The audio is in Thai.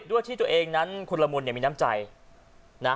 ด้วยที่ตัวเองนั้นคุณละมุนเนี่ยมีน้ำใจนะ